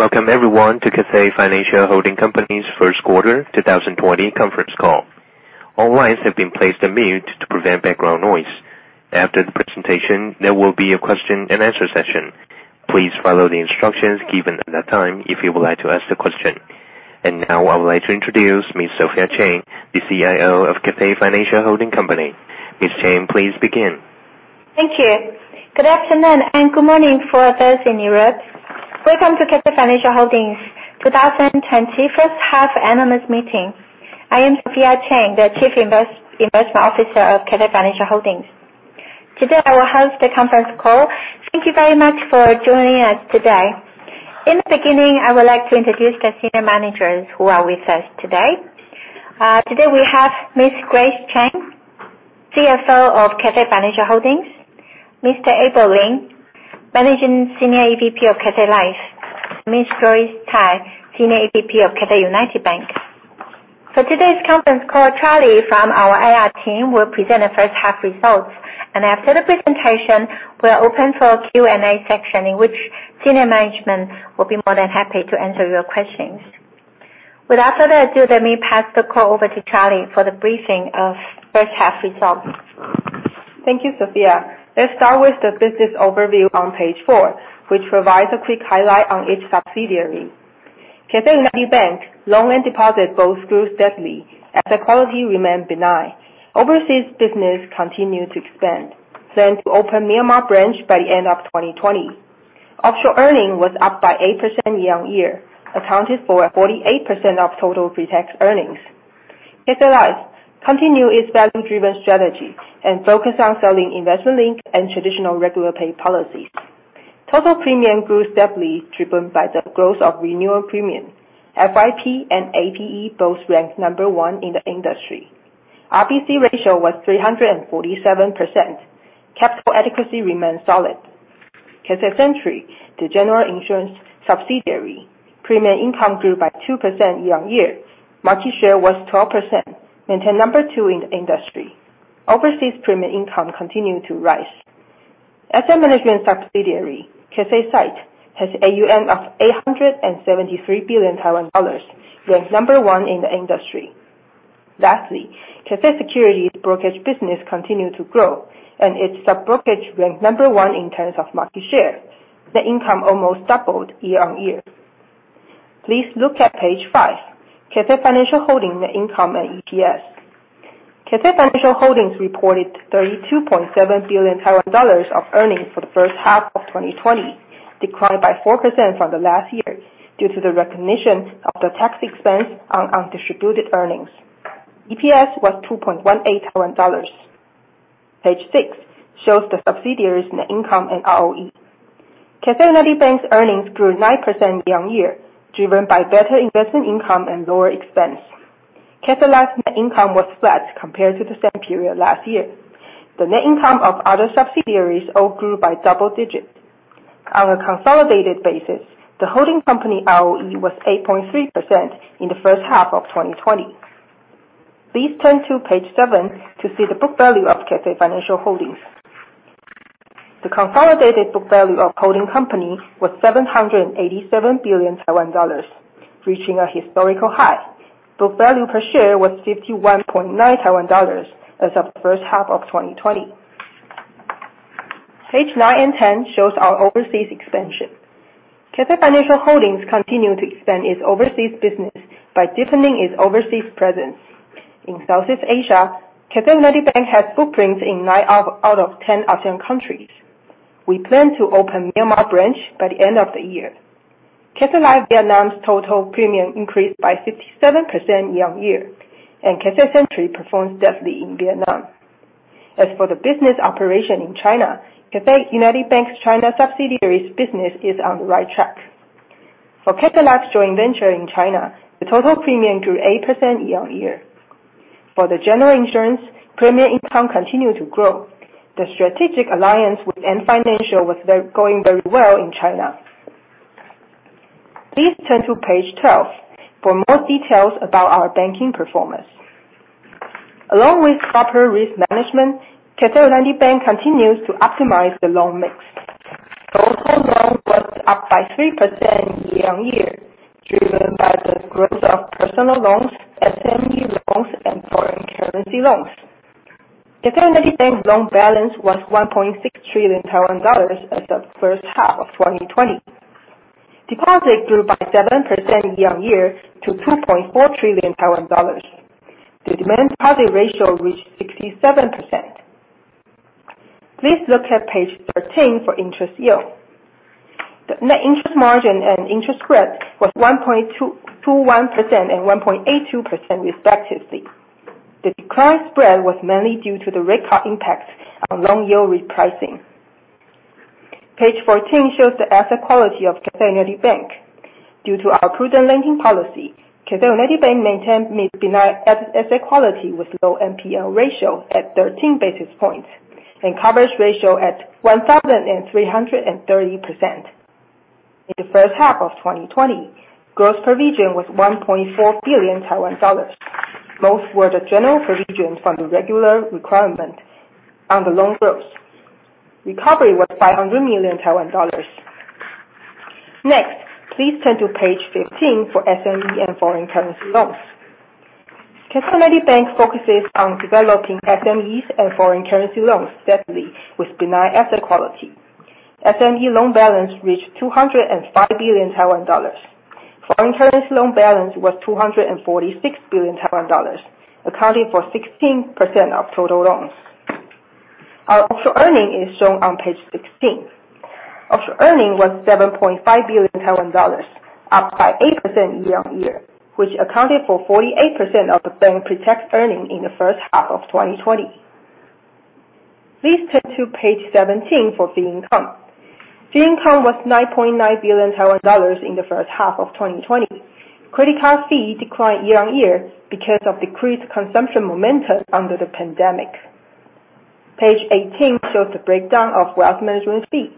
Welcome everyone to Cathay Financial Holding Company's first quarter 2020 conference call. All lines have been placed on mute to prevent background noise. After the presentation, there will be a question and answer session. Please follow the instructions given at that time if you would like to ask a question. Now I would like to introduce Ms. Sophia Cheng, the CIO of Cathay Financial Holding Company. Ms. Cheng, please begin. Thank you. Good afternoon, and good morning for those in Europe. Welcome to Cathay Financial Holding 2020 first half analyst meeting. I am Sophia Cheng, the Chief Investment Officer of Cathay Financial Holding. Today, I will host the conference call. Thank you very much for joining us today. In the beginning, I would like to introduce the senior managers who are with us today. Today we have Ms. Grace Chen, CFO of Cathay Financial Holding, Mr. Abel Lin, Managing Senior EVP of Cathay Life, Ms. Glory Tai, Senior EVP of Cathay United Bank. For today's conference call, Charlie from our IR team will present the first half results. After the presentation, we are open for a Q&A section, in which senior management will be more than happy to answer your questions. Without further ado, let me pass the call over to Charlie for the briefing of first half results. Thank you, Sophia. Let's start with the business overview on page four, which provides a quick highlight on each subsidiary. Cathay United Bank loan and deposit both grew steadily as the quality remained benign. Overseas business continued to expand. Plan to open Myanmar branch by the end of 2020. Offshore earning was up by 8% year-on-year, accounted for 48% of total pre-tax earnings. Cathay Life continue its value-driven strategy and focus on selling investment-linked and traditional regular-pay policies. Total premium grew steadily, driven by the growth of renewal premium. FYP and APE both ranked number one in the industry. RBC ratio was 347%. Capital adequacy remained solid. Cathay Century, the general insurance subsidiary, premium income grew by 2% year-on-year. Market share was 12%, maintained number two in the industry. Overseas premium income continued to rise. Asset management subsidiary, Cathay SITE, has AUM of 873 billion Taiwan dollars, ranked number one in the industry. Lastly, Cathay Securities brokerage business continued to grow, and its subbrokerage ranked number one in terms of market share. Net income almost doubled year-on-year. Please look at page five, Cathay Financial Holding net income and EPS. Cathay Financial Holding reported 32.7 billion Taiwan dollars of earnings for the first half of 2020, declined by 4% from last year due to the recognition of the tax expense on undistributed earnings. EPS was 2.18. Page six shows the subsidiaries' net income and ROE. Cathay United Bank's earnings grew 9% year-on-year, driven by better investment income and lower expense. Cathay Life's net income was flat compared to the same period last year. The net income of other subsidiaries all grew by double digits. On a consolidated basis, the holding company ROE was 8.3% in the first half of 2020. Please turn to page seven to see the book value of Cathay Financial Holding. The consolidated book value of holding company was 787 billion Taiwan dollars, reaching a historical high. Book value per share was 51.9 Taiwan dollars as of the first half of 2020. Page nine and 10 shows our overseas expansion. Cathay Financial Holding continued to expand its overseas business by deepening its overseas presence. In Southeast Asia, Cathay United Bank has footprints in nine out of 10 ASEAN countries. We plan to open Myanmar branch by the end of the year. Cathay Life Vietnam's total premium increased by 57% year-on-year, and Cathay Century performed steadily in Vietnam. As for the business operation in China, Cathay United Bank's China subsidiary's business is on the right track. For Cathay Life's joint venture in China, the total premium grew 8% year-on-year. For the general insurance, premium income continued to grow. The strategic alliance with Ant Financial was going very well in China. Please turn to page 12 for more details about our banking performance. Along with proper risk management, Cathay United Bank continues to optimize the loan mix. Total loan was up by 3% year-on-year, driven by the growth of personal loans, SME loans, and foreign currency loans. Cathay United Bank loan balance was 1.6 trillion Taiwan dollars as of the first half of 2020. Deposit grew by 7% year-on-year to 2.4 trillion Taiwan dollars. The demand deposit ratio reached 67%. Please look at page 13 for interest yield. The net interest margin and interest spread was 1.21% and 1.82% respectively. The decline spread was mainly due to the rate cut impacts on loan yield repricing. Page 14 shows the asset quality of Cathay United Bank. Due to our prudent lending policy, Cathay United Bank maintained benign asset quality with low NPL ratio at 13 basis points and coverage ratio at 1,330%. In the first half of 2020, gross provision was 1.4 billion Taiwan dollars. Most were the general provisions from the regular requirement on the loan gross. Recovery was 500 million Taiwan dollars. Next, please turn to page 15 for SME and foreign currency loans. Cathay United Bank focuses on developing SMEs and foreign currency loans, secondly, with benign asset quality. SME loan balance reached 205 billion Taiwan dollars. Foreign currency loan balance was 246 billion Taiwan dollars, accounting for 16% of total loans. Our offshore earning is shown on page 16. Offshore earning was 7.5 billion Taiwan dollars, up by 8% year-on-year, which accounted for 48% of the bank pre-tax earning in the first half of 2020. Please turn to page 17 for fee income. Fee income was 9.9 billion Taiwan dollars in the first half of 2020. Credit card fee declined year-on-year because of decreased consumption momentum under the pandemic. Page 18 shows the breakdown of wealth management fee.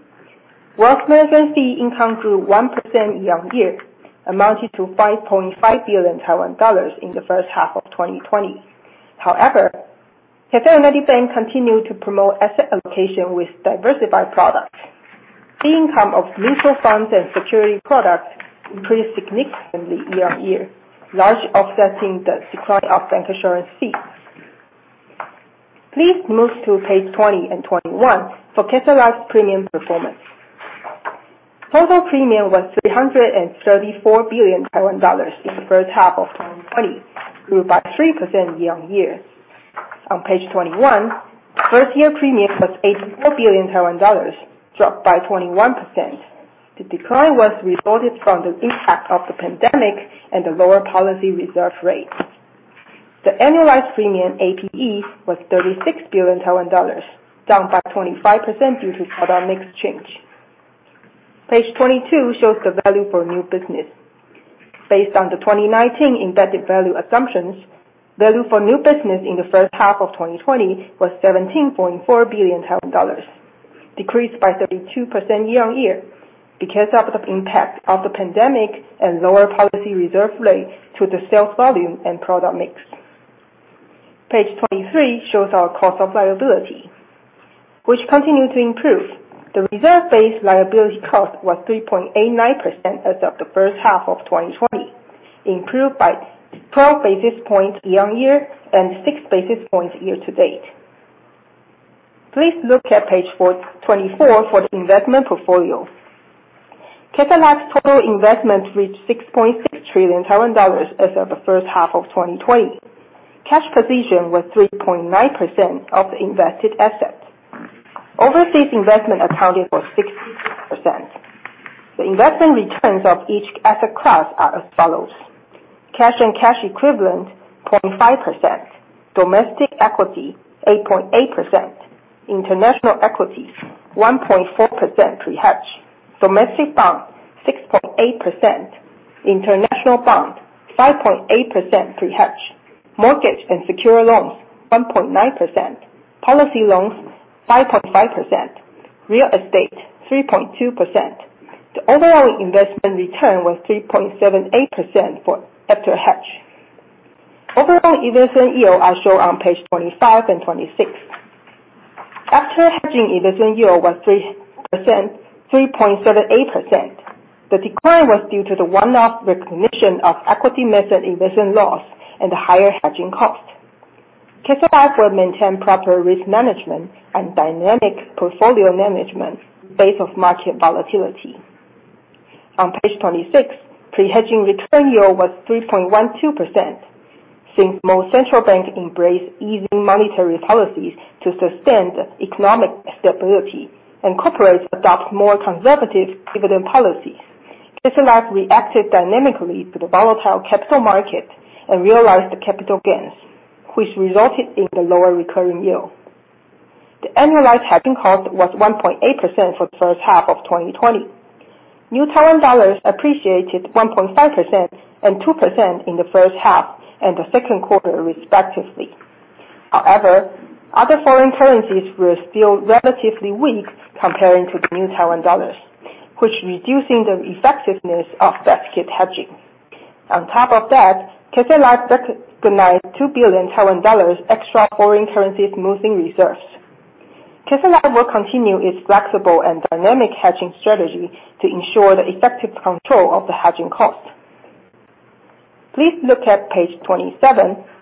Wealth management fee income grew 1% year-on-year, amounted to 5.5 billion Taiwan dollars in the first half of 2020. Cathay United Bank continued to promote asset allocation with diversified products. Fee income of mutual funds and security products increased significantly year-on-year, large offsetting the decline of bancassurance fees. Please move to page 20 and 21 for Cathay Life's premium performance. Total premium was 334 billion Taiwan dollars in the first half of 2020, grew by 3% year-on-year. On page 21, first year premium was 84 billion Taiwan dollars, dropped by 21%. The decline was resulted from the impact of the pandemic and the lower policy reserve rate. The annualized premium, APE, was 36 billion Taiwan dollars, down by 25% due to product mix change. Page 22 shows the value for new business. Based on the 2019 Embedded Value assumptions, value for new business in the first half of 2020 was 17.4 billion dollars, decreased by 32% year-on-year because of the impact of the pandemic and lower policy reserve rate to the sales volume and product mix. Page 23 shows our cost of liability, which continued to improve. The reserve-based liability cost was 3.89% as of the first half of 2020, improved by 12 basis points year-on-year and six basis points year-to-date. Please look at page 24 for the investment portfolio. Cathay Life's total investment reached 6.6 trillion as of the first half of 2020. Cash position was 3.9% of the invested assets. Overseas investment accounted for 60%. The investment returns of each asset class are as follows: cash and cash equivalent, 0.5%, domestic equity, 8.8%, international equity, 1.4% pre-hedge, domestic bond, 6.8%, international bond, 5.8% pre-hedge, mortgage and secure loans, 1.9%, policy loans, 5.5%, real estate, 3.2%. The overall investment return was 3.78% after hedge. Overall investment yield are shown on page 25 and 26. After hedging, investment yield was 3.78%. The decline was due to the one-off recognition of equity method investment loss and the higher hedging cost. Cathay Life will maintain proper risk management and dynamic portfolio management in face of market volatility. On page 26, pre-hedging return yield was 3.12%. Since most central banks embrace easing monetary policies to sustain the economic stability and corporates adopt more conservative dividend policies, Cathay Life reacted dynamically to the volatile capital market and realized the capital gains, which resulted in the lower recurring yield. The annualized hedging cost was 1.8% for the first half of 2020. New Taiwan dollars appreciated 1.5% and 2% in the first half and the second quarter respectively. However, other foreign currencies were still relatively weak comparing to the New Taiwan dollars, which reducing the effectiveness of basket hedging. On top of that, Cathay Life recognized 2 billion Taiwan dollars extra foreign currencies smoothing reserves. Cathay Life will continue its flexible and dynamic hedging strategy to ensure the effective control of the hedging cost. Please look at page 27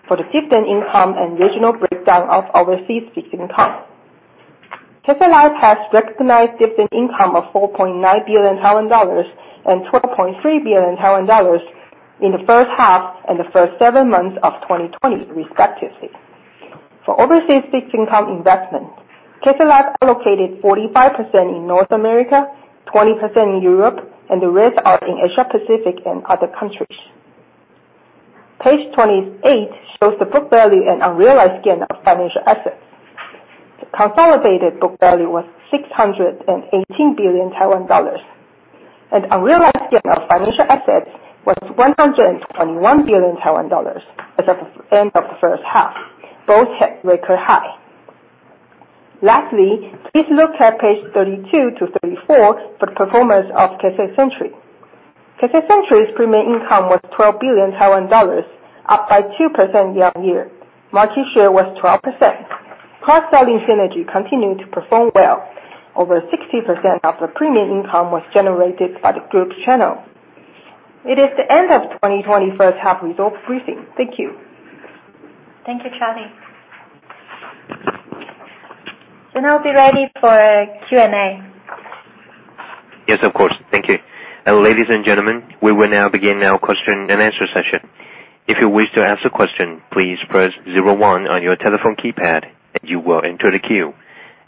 for the dividend income and regional breakdown of overseas fixed income. Cathay Life has recognized dividend income of 4.9 billion dollars and 12.3 billion dollars in the first half and the first seven months of 2020 respectively. For overseas fixed income investment, Cathay Life allocated 45% in North America, 20% in Europe, and the rest are in Asia Pacific and other countries. Page 28 shows the book value and unrealized gain of financial assets. The consolidated book value was 618 billion Taiwan dollars, and unrealized gain of financial assets was 121 billion Taiwan dollars as of the end of the first half, both hit record high. Lastly, please look at page 32 to 34 for the performance of Cathay Century. Cathay Century's premium income was 12 billion Taiwan dollars, up by 2% year-on-year. Market share was 12%. Cross-selling synergy continued to perform well. Over 60% of the premium income was generated by the group's channel. It is the end of 2020 first half results briefing. Thank you. Thank you, Charlie. I'll be ready for Q&A. Yes, of course. Thank you. Ladies and gentlemen, we will now begin our question and answer session. If you wish to ask a question, please press 01 on your telephone keypad and you will enter the queue.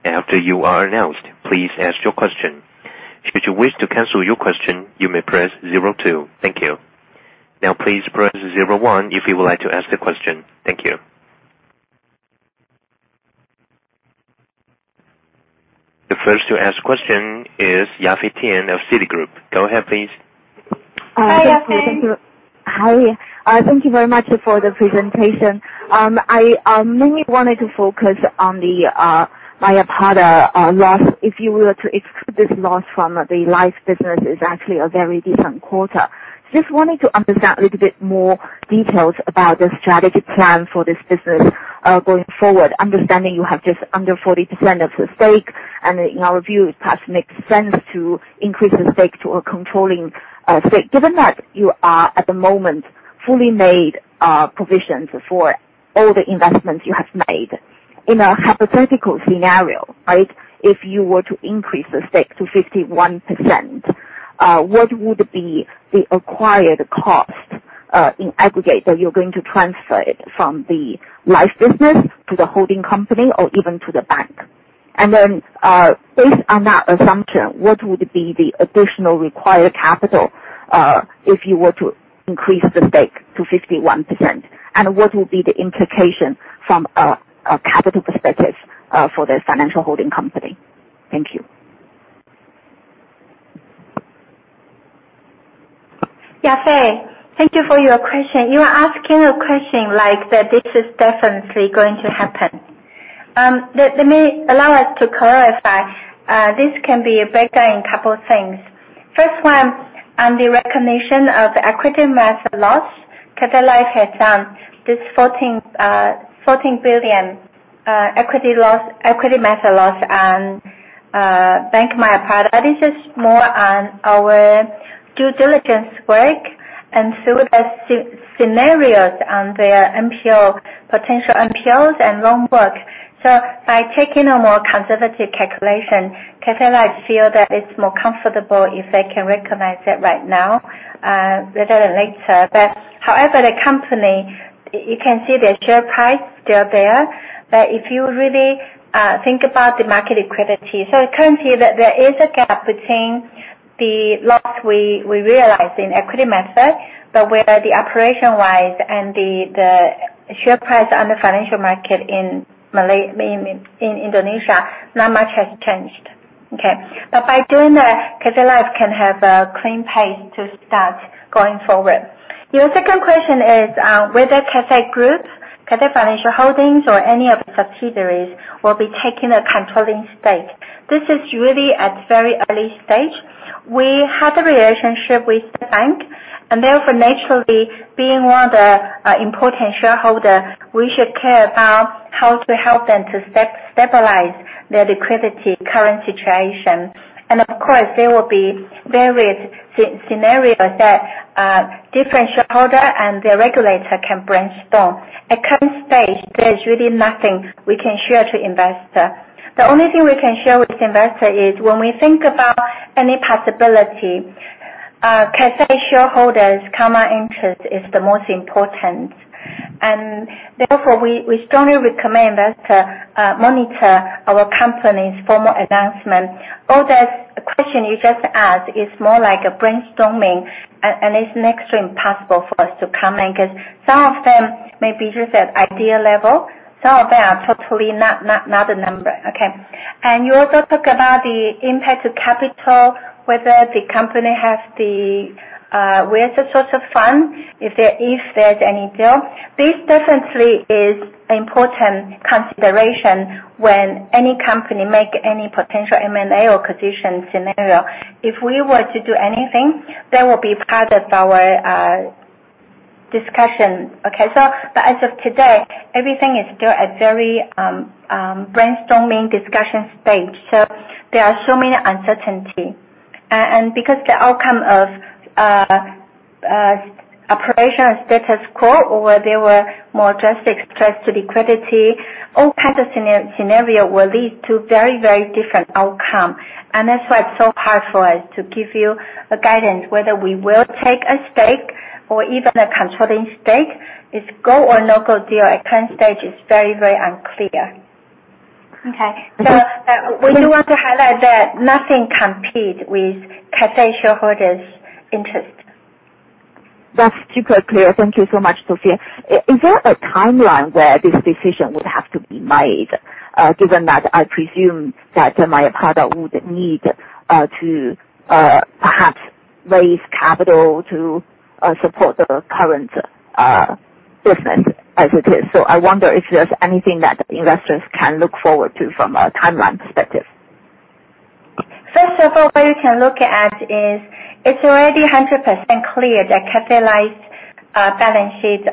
After you are announced, please ask your question. Should you wish to cancel your question, you may press 02. Thank you. Please press 01 if you would like to ask a question. Thank you. The first to ask question is Yafei Tian of Citigroup. Go ahead, please. Hi, Yafei. Hi. Thank you very much for the presentation. I mainly wanted to focus on the Mayapada loss. If you were to exclude this loss from the life business, it is actually a very different quarter. Just wanted to understand a little bit more details about the strategic plan for this business, going forward. Understanding you have just under 40% of the stake, and in our view, it perhaps makes sense to increase the stake to a controlling stake. Given that you are at the moment, fully made provisions for all the investments you have made. In a hypothetical scenario, if you were to increase the stake to 51%, what would be the acquired cost, in aggregate that you are going to transfer it from the life business to the holding company or even to the bank? Based on that assumption, what would be the additional required capital, if you were to increase the stake to 51%? What would be the implication from a capital perspective for the financial holding company? Thank you. Yafei, thank you for your question. You are asking a question like that this is definitely going to happen. Allow us to clarify. This can be broken in a couple of things. First one, on the recognition of equity method loss, Cathay Life has done this 14 billion equity method loss on Bank Mayapada. This is more on our due diligence work and through the scenarios on their NPL, potential NPLs and loan book. However, the company, you can see their share price still there. By taking a more conservative calculation, Cathay Life feel that it is more comfortable if they can recognize it right now, rather than later. If you really think about the market liquidity, so currently there is a gap between the loss we realize in equity method, but where the operation-wise and the share price on the financial market in Indonesia, not much has changed. Okay. By doing that, Cathay Life can have a clean pace to start going forward. Your second question is, whether Cathay Group, Cathay Financial Holding or any of the subsidiaries will be taking a controlling stake. This is really at very early stage. We have a relationship with the bank and therefore naturally being one of the important shareholder, we should care about how to help them to stabilize their liquidity current situation. Of course, there will be various scenarios that different shareholder and the regulator can brainstorm. At current stage, there is really nothing we can share to investor. The only thing we can share with investors is when we think about any possibility, Cathay shareholders' common interest is the most important. Therefore, we strongly recommend investors monitor our company's formal announcement. All those questions you just asked is more like a brainstorming and it's next to impossible for us to comment because some of them may be just at idea level, some of them are totally not a number. Okay? You also talk about the impact to capital, whether the company has the source of fund, if there's any deal. This definitely is important consideration when any company make any potential M&A or acquisition scenario. If we were to do anything, that will be part of our discussion. Okay? As of today, everything is still at very brainstorming discussion stage, so there are so many uncertainties. Because the outcome of operation status quo or there were more drastic stress to liquidity, all kinds of scenarios will lead to very different outcome. That's why it's so hard for us to give you a guidance whether we will take a stake or even a controlling stake. It's a go or no-go deal. At current stage it's very unclear. Okay. We do want to highlight that nothing compete with Cathay shareholders' interest. That's super clear. Thank you so much, Sophia. Is there a timeline where this decision would have to be made? Given that I presume that Mayapada would need to perhaps raise capital to support the current business as it is. I wonder if there's anything that investors can look forward to from a timeline perspective. First of all, what you can look at is it's already 100% clear that capitalized balance sheets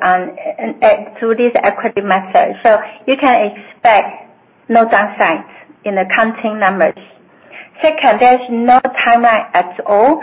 through this equity method. You can expect no downsides in the counting numbers. Second, there's no timeline at all.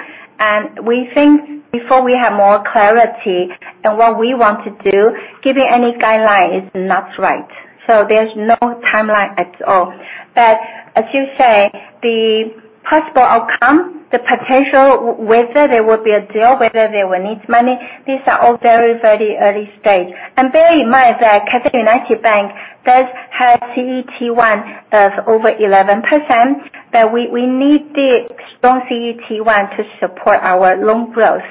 We think before we have more clarity in what we want to do, giving any guideline is not right. There's no timeline at all. As you say, the possible outcome, the potential, whether there will be a deal, whether they will need money, these are all very early stage. Bear in mind that Cathay United Bank does have CET1 of over 11%. We need the strong CET1 to support our loan growth.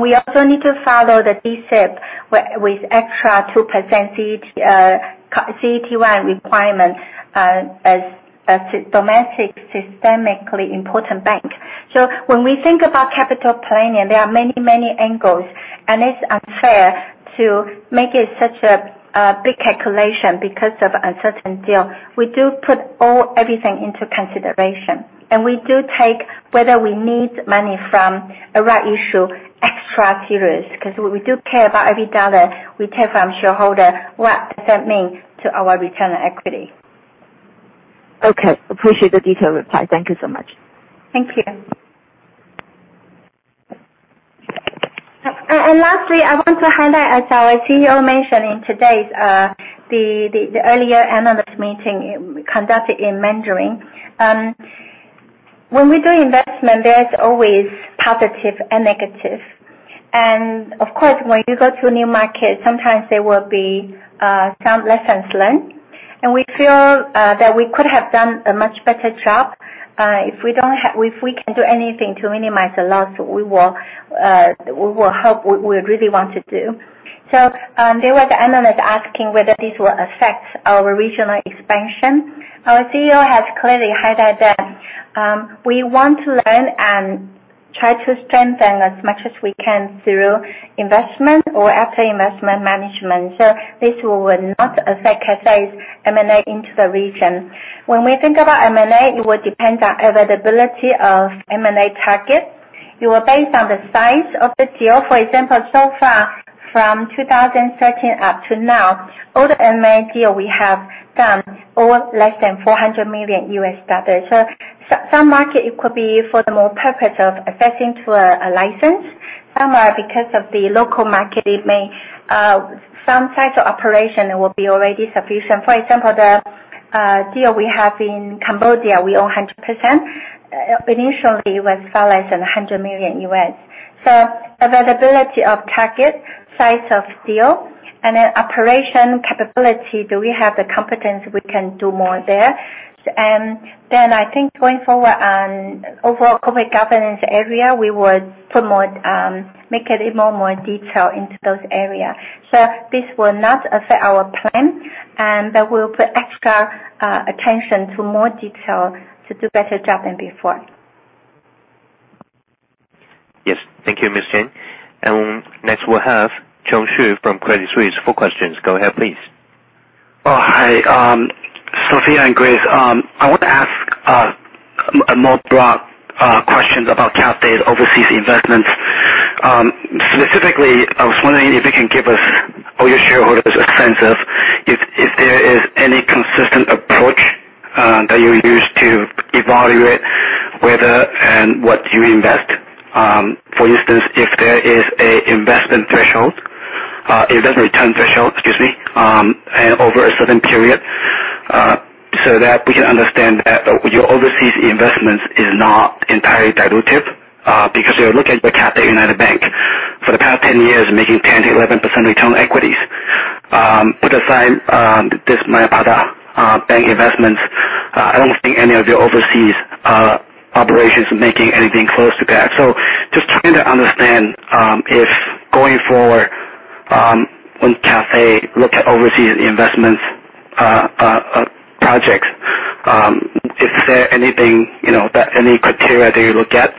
We also need to follow the D-SIB with extra 2% CET1 requirement as a Domestic Systemically Important Bank. When we think about capital planning, there are many angles, and it's unfair to make it such a big calculation because of uncertain deal. We do put everything into consideration, and we do take whether we need money from a rights issue extra serious, because we do care about every dollar we take from shareholder, what does that mean to our ROE. Okay. Appreciate the detailed reply. Thank you so much. Thank you. Lastly, I want to highlight, as our CEO mentioned in today's earlier analyst meeting conducted in Mandarin. When we do investment, there's always positive and negative. Of course, when you go to a new market, sometimes there will be some lessons learned, and we feel that we could have done a much better job. If we can do anything to minimize the loss, we will help. We really want to do. There was an analyst asking whether this will affect our regional expansion. Our CEO has clearly highlighted that we want to learn and try to strengthen as much as we can through investment or after investment management. This will not affect Cathay's M&A into the region. When we think about M&A, it will depend on availability of M&A targets. It will base on the size of the deal. For example, so far from 2013 up to now, all the M&A deal we have done, all less than $400 million. Some market, it could be for the more purpose of accessing to a license. Some are because of the local market, some types of operation will be already sufficient. For example, the deal we have in Cambodia, we own 100%. Initially, it was far less than $100 million. Availability of target, size of deal, and then operation capability, do we have the competence we can do more there? Then I think going forward on overall corporate governance area, we would make a little more detail into those area. This will not affect our plan, and that will put extra attention to more detail to do better job than before. Yes. Thank you, Ms. Chen. Next we'll have Chung Hsu from Credit Suisse for questions. Go ahead, please. Hi. Sophia and Grace. I want to ask a more broad question about Cathay's overseas investments. Specifically, I was wondering if you can give us or your shareholders a sense of if there is a investment threshold, investment return threshold, excuse me, over a certain period, so that we can understand that your overseas investments is not entirely dilutive because you're looking at the Cathay United Bank for the past 10 years making 10%-11% return on equity. Put aside this Bank Mayapada investments, I don't think any of your overseas operations are making anything close to that. Just trying to understand if going forward, when Cathay look at overseas investments projects, is there any criteria that you look at,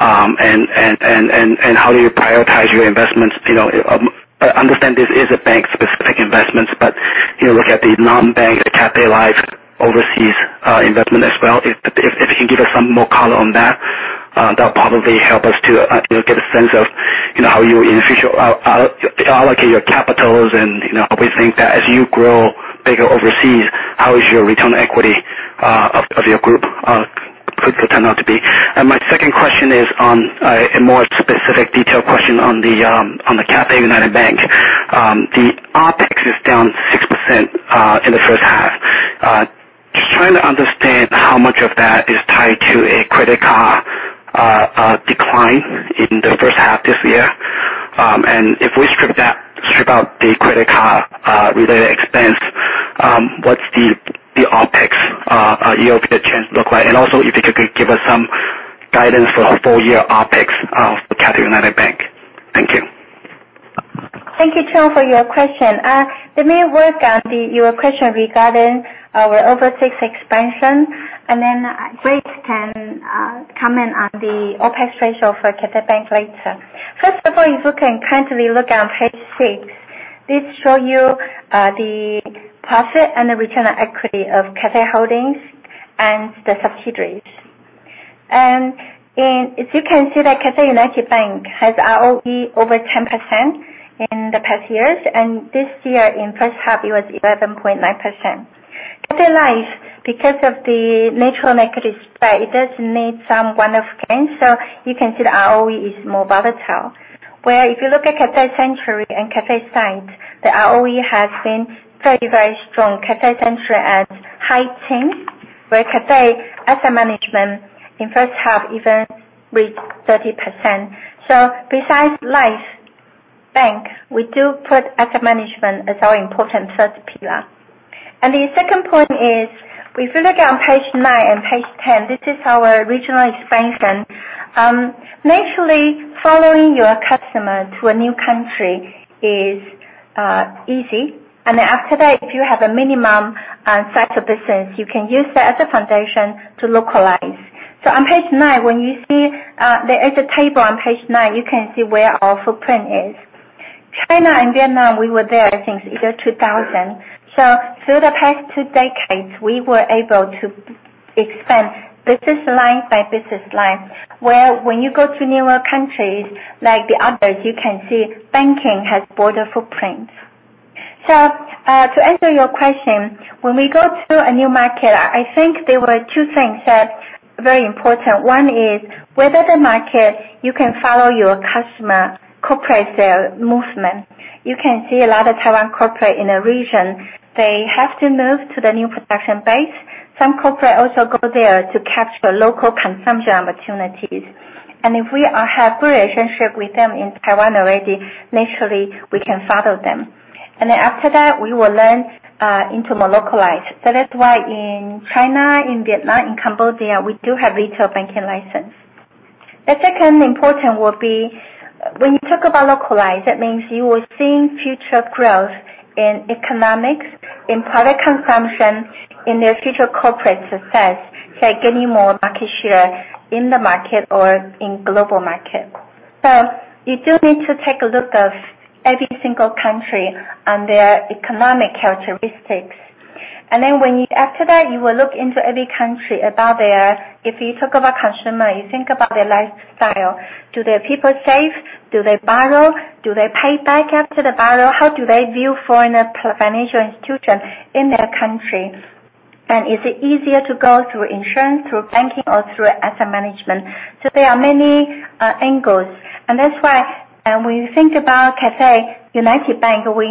and how do you prioritize your investments? I understand this is a bank-specific investments, look at the non-bank, the Cathay Life overseas investment as well. If you can give us some more color on that'll probably help us to get a sense of how you in the future allocate your capitals and how we think that as you grow bigger overseas, how is your return on equity of your group could turn out to be. My second question is a more specific detailed question on the Cathay United Bank. The OPEX is down 6% in the first half. Just trying to understand how much of that is tied to a credit card decline in the first half this year. If we strip out the credit card-related expense, what's the OPEX year-over-year change look like? Also, if you could give us some guidance for full year OPEX of Cathay United Bank. Thank you, Chung, for your question. Let me work on your question regarding our overseas expansion, Grace can comment on the OPEX ratio for Cathay Bank later. First of all, if you can kindly look on page six, this shows you the profit and the return on equity of Cathay Holdings and the subsidiaries. As you can see, Cathay United Bank has ROE over 10% in the past years, and this year in the first half, it was 11.9%. Cathay Life, because of the natural negative spread, it does need some one-off gains, you can see the ROE is more volatile, where if you look at Cathay Century and Cathay SITE, the ROE has been very, very strong. Cathay Century has high teens, where Cathay Asset Management in the first half even reached 30%. Besides Life Bank, we do put asset management as our important first pillar. The second point is, if you look on page nine and page 10, this is our regional expansion. Naturally, following your customer to a new country is easy, and then after that, if you have a minimum size of business, you can use that as a foundation to localize. On page nine, there is a table on page nine, you can see where our footprint is. China and Vietnam, we were there since the year 2000. Through the past two decades, we were able to expand business line by business line, where when you go to newer countries like the others, you can see banking has border footprints. To answer your question, when we go to a new market, I think there were two things that are very important. One is whether in the market, you can follow your customer corporate sale movement. You can see a lot of Taiwan corporate in the region, they have to move to the new production base. Some corporates also go there to capture local consumption opportunities. If we have a good relationship with them in Taiwan already, naturally, we can follow them. Then after that, we will lend into more localized. That's why in China, in Vietnam, in Cambodia, we do have retail banking license. The second important will be when you talk about localized, that means you are seeing future growth in economics, in product consumption, in their future corporate success, like gaining more market share in the market or in the global market. You do need to take a look at every single country and their economic characteristics. Then after that, you will look into every country about their If you talk about consumers, you think about their lifestyle. Do their people save? Do they borrow? Do they pay back after they borrow? How do they view foreign financial institutions in their country? Is it easier to go through insurance, through banking, or through asset management? There are many angles, and that's why when you think about Cathay United Bank, we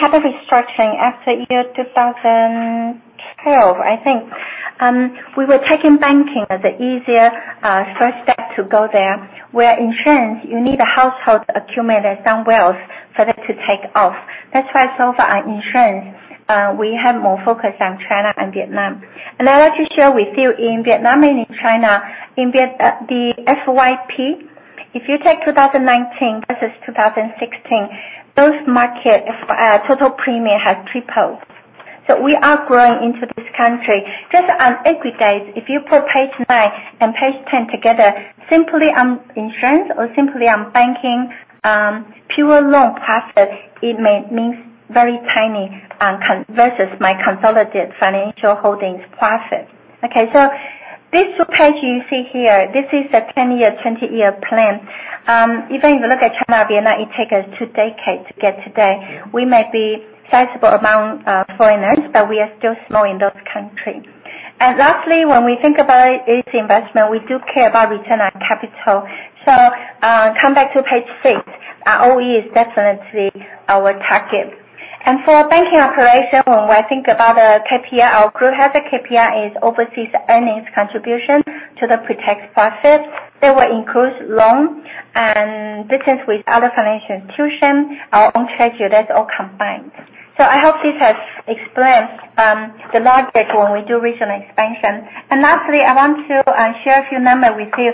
had a restructuring after the year 2012, I think. We were taking banking as the easier first step to go there, where insurance, you need a household to accumulate some wealth for that to take off. That's why so far in insurance, we have more focus on China and Vietnam. I'd like to share with you in Vietnam and in China, the FYP, if you take 2019 versus 2016, both markets' total premium has tripled. We are growing into this country. Just on aggregate, if you put page nine and page 10 together, simply on insurance or simply on banking, pure loan profit, it means very tiny versus my consolidated financial holdings profit. This page you see here, this is a 10-year, 20-year plan. Even if you look at China or Vietnam, it took us two decades to get to today. We may be a sizable amount of foreigners, but we are still small in those countries. Lastly, when we think about this investment, we do care about return on capital. Come back to page six. ROE is definitely our target. For banking operation, when we think about the KPI our group has, the KPI is overseas earnings contribution to the pretax profit. That will include loans and business with other financial institutions, our own treasury, that's all combined. I hope this has explained the logic when we do regional expansion. Lastly, I want to share a few numbers with you,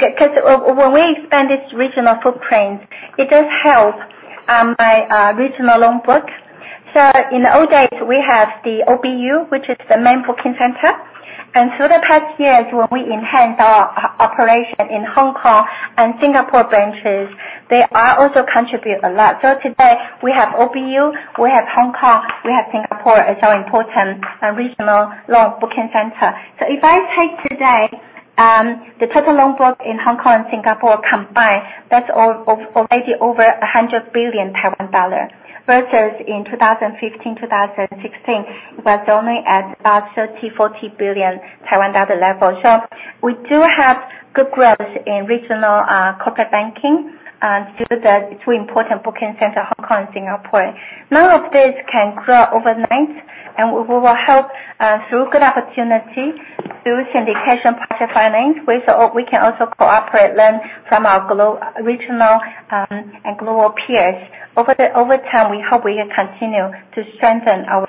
because when we expand this regional footprint, it does help my regional loan book. In the old days, we had the OBU, which is the main booking center, and through the past years, when we enhanced our operation in Hong Kong and Singapore branches, they also contribute a lot. Today, we have OBU, we have Hong Kong, we have Singapore as our important regional loan booking center. If I take today, the total loan book in Hong Kong and Singapore combined, that's already over 100 billion Taiwan dollar, versus in 2015, 2016, it was only at 30 billion-40 billion Taiwan dollar level. We do have good growth in regional corporate banking through the two important booking centers, Hong Kong and Singapore. None of this can grow overnight, and we will help through good opportunities, through syndication project finance. We can also cooperate and learn from our regional and global peers. Over time, we hope we continue to strengthen our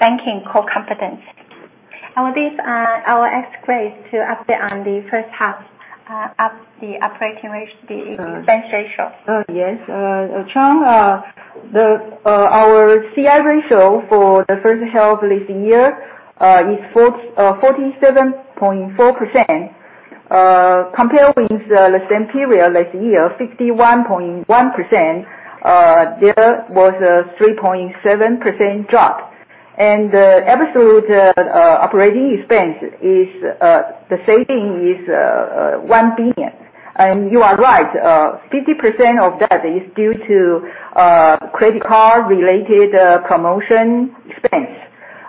banking core competence. These are our X-rays to update on the first half of the operating expense ratio. Yes. Chung, our Cost-to-Income Ratio for the first half of this year is 47.4%, compared with the same period last year, 51.1%. There was a 3.7% drop, and the absolute operating expense, the saving is 1 billion. You are right, 50% of that is due to credit card-related promotion expense.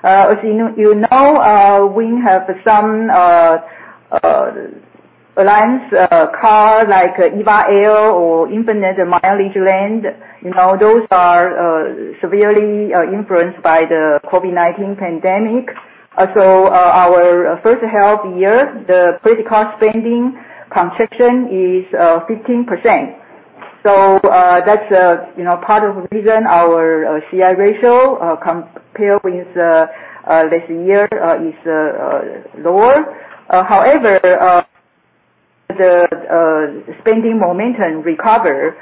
As you know, we have some alliance card, like EVA Air or Infinity MileageLands. Those are severely influenced by the COVID-19 pandemic. Our first half of the year, the credit card spending construction is 15%. That's part of the reason our Cost-to-Income Ratio, compared with last year, is lower. However, the spending momentum recover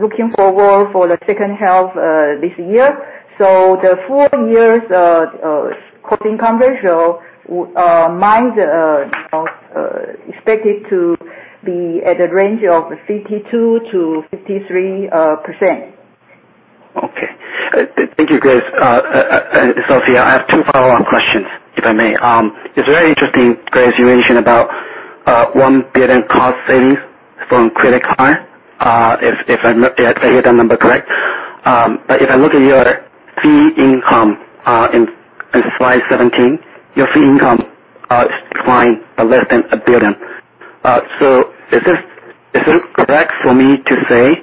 looking forward for the second half this year. The full year's costing conversion might be expected to be at a range of 52%-53%. Okay. Thank you, Grace. Sophia, I have two follow-up questions, if I may. It's very interesting, Grace, you mentioned about 1 billion cost savings from credit card, if I heard that number correct. If I look at your fee income in slide 17, your fee income declined less than 1 billion. Is it correct for me to say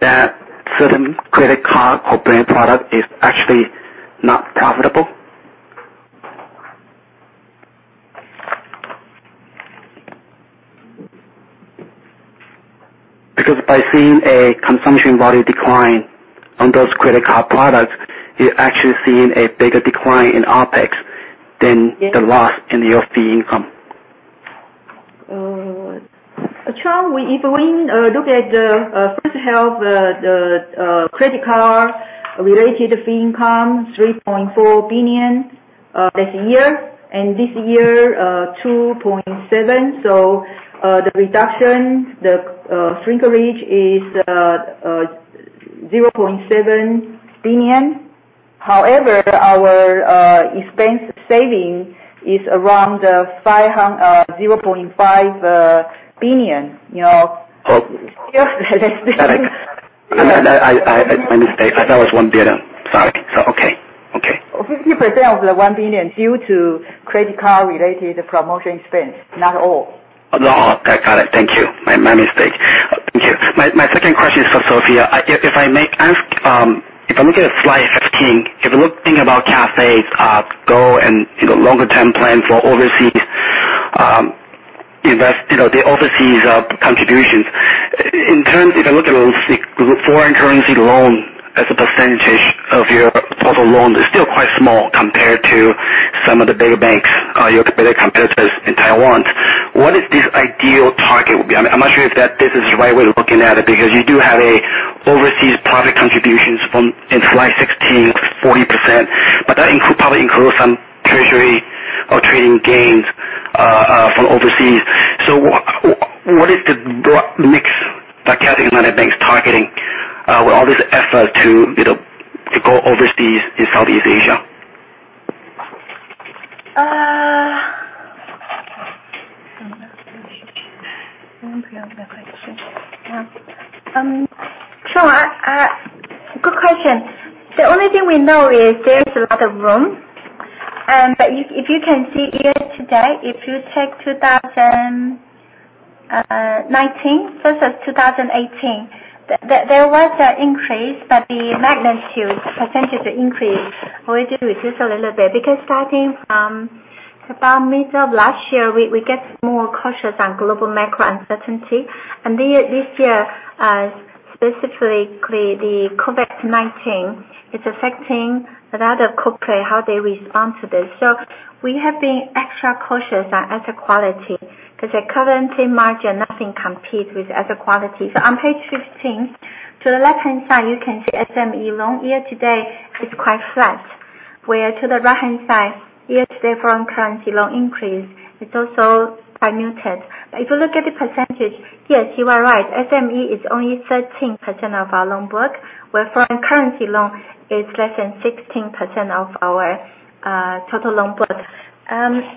that certain credit card co-branded product is actually not profitable? Because by seeing a consumption volume decline on those credit card products, you're actually seeing a bigger decline in OPEX than the loss in your fee income. Chung, if we look at the first half, the credit card-related fee income, 3.4 billion last year, and this year, 2.7 billion. The reduction, the shrinkage is 0.7 billion. Our expense saving is around 0.5 billion. Got it. I thought it was TWD 1 billion. Sorry. Okay. 50% of the 1 billion is due to credit card-related promotion expense. Not all. I got it. Thank you. My mistake. Thank you. My second question is for Sophia. If I may ask, if I look at slide 15, if you think about Cathay's goal and longer-term plan for the overseas contributions. If I look at foreign currency loan as a percentage of your total loan, it's still quite small compared to some of the bigger banks, your bigger competitors in Taiwan. What is this ideal target? I'm not sure if this is the right way of looking at it, because you do have overseas profit contributions in slide 16, 40%, but that probably includes some treasury or trading gains from overseas. What is the mix that Cathay United Bank is targeting with all this effort to go overseas in Southeast Asia? Chung, good question. The only thing we know is there's a lot of room. If you can see year-to-date, if you take 2019 versus 2018, there was an increase, but the magnitude percentage increase only reduced a little bit, because starting from about mid of last year, we get more cautious on global macro uncertainty. This year, specifically, COVID-19 is affecting a lot of corporate, how they respond to this. We have been extra cautious on asset quality because the currency margin, nothing competes with asset quality. On page 15, to the left-hand side, you can see SME loan year-to-date is quite flat. Where to the right-hand side, year-to-date foreign currency loan increase is also quite muted. If you look at the percentage, yes, you are right, SME is only 13% of our loan book, where foreign currency loan is less than 16% of our total loan book.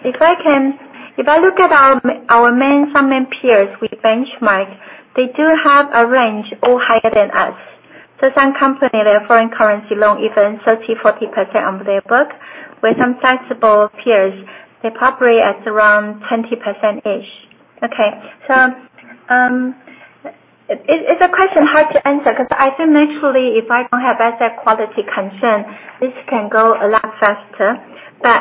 If I look at our main funding peers we benchmark, they do have a range all higher than us. Some company, their foreign currency loan even 30%, 40% of their book, with some sizable peers, they probably at around 20%-ish. Okay. It's a question hard to answer because I think naturally, if I don't have asset quality concern, this can go a lot faster.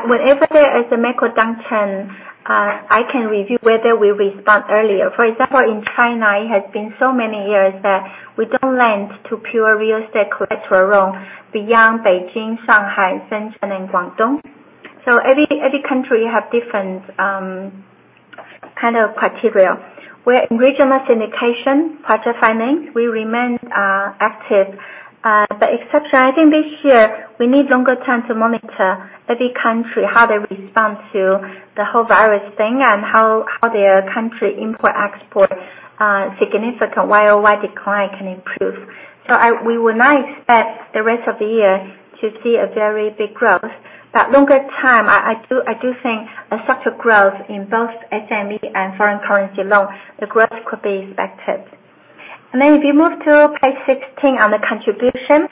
Whenever there is a macro downturn, I can review whether we respond earlier. For example, in China, it has been so many years that we don't lend to pure real estate collateral beyond Beijing, Shanghai, Shenzhen, and Guangdong. Every country have different kind of criteria, where regional syndication project financings will remain active. Except I think this year, we need longer time to monitor every country, how they respond to the whole virus thing, and how their country import, export significant YoY decline can improve. We would not expect the rest of the year to see a very big growth. Longer term, I do think a structural growth in both SME and foreign currency loans, the growth could be expected. If you move to page 16 on the contribution,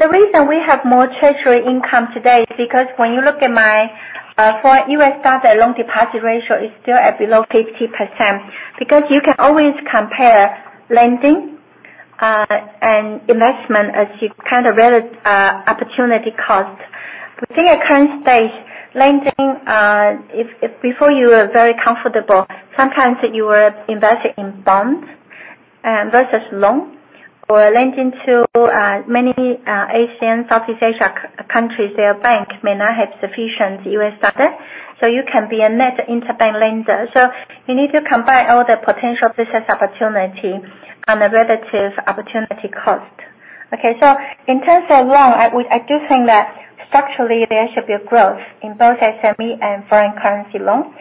the reason we have more treasury income today is because when you look at my foreign US dollar loan deposit ratio is still at below 50%, because you can always compare lending and investment as your kind of relative opportunity cost. Seeing at current stage, lending, if before you were very comfortable, sometimes you were invested in bonds versus loans or lending to many Asian, Southeast Asia countries, their bank may not have sufficient US dollar, you can be a net interbank lender. You need to combine all the potential business opportunity on the relative opportunity cost. Okay, in terms of loans, I do think that structurally there should be a growth in both SME and foreign currency loans.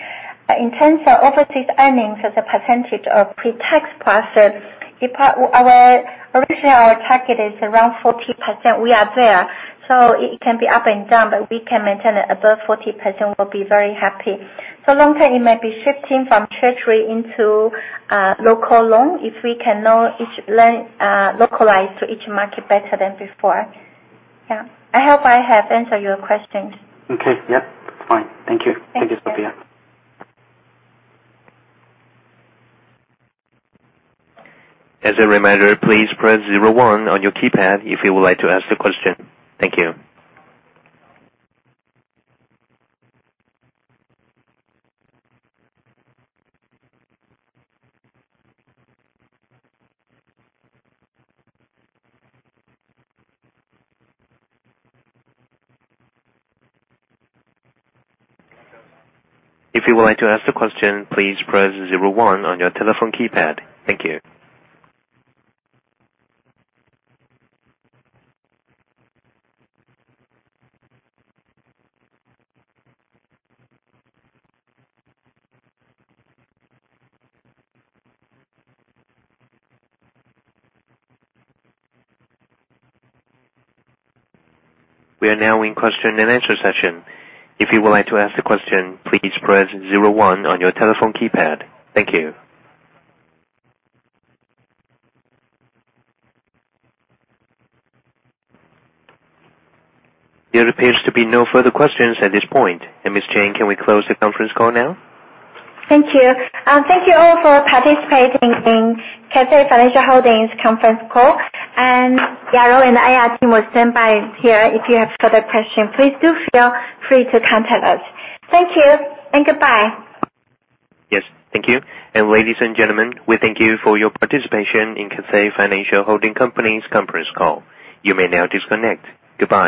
In terms of overseas earnings as a percentage of pre-tax profit, originally our target is around 40%. We are there. It can be up and down, but we can maintain it above 40%, we'll be very happy. Long term, it may be shifting from treasury into local loans if we can localize to each market better than before. Yeah. I hope I have answered your questions. Okay. Yep. Fine. Thank you. Thank you. Thank you, Sophia. As a reminder, please press zero one on your keypad if you would like to ask the question. Thank you. If you would like to ask the question, please press zero one on your telephone keypad. Thank you. We are now in question and answer session. If you would like to ask the question, please press zero one on your telephone keypad. Thank you. There appears to be no further questions at this point. Ms. Jane, can we close the conference call now? Thank you. Thank you all for participating in Cathay Financial Holding conference call. Yajou and the IR team will stand by here if you have further questions. Please do feel free to contact us. Thank you and goodbye. Yes, thank you. Ladies and gentlemen, we thank you for your participation in Cathay Financial Holding Company's conference call. You may now disconnect. Goodbye.